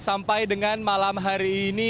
sampai dengan malam hari ini